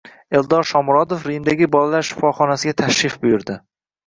Eldor Shomurodov Rimdagi bolalar shifoxonasiga tashrif buyurdi